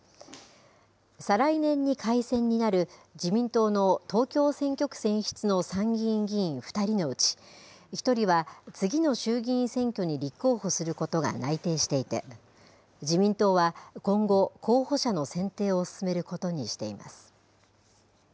再来年に改選になる自民党の東京選挙区選出の参議院議員２人のうち、１人は次の衆議院選挙に立候補することが内定していて、自民党は今後、候補者の選定を進めることにしています。